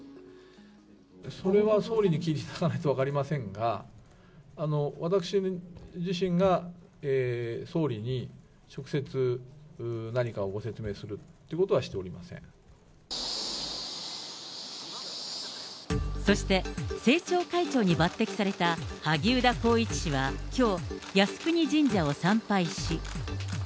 それは総理に聞かないと分かりませんが、私自身が総理に直接何かをご説明するっていうことはしておりませそして、政調会長に抜てきされた萩生田光一氏は、きょう、靖国神社を参拝し。